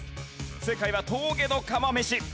正解は峠の釜飯。